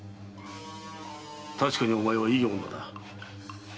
確かにお前はいい女だ。